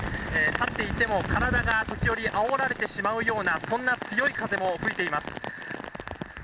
立っていても体が時折、あおられてしまうようなそんな強い風も吹いています。